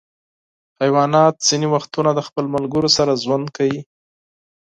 حیوانات ځینې وختونه د خپلو ملګرو سره ژوند کوي.